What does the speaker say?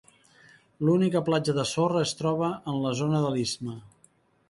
L'única platja de sorra es troba en la zona de l'istme.